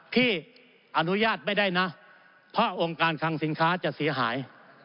ที่อนุญาตไม่ได้นะเพราะองค์การคังสินค้าจะเสียหาย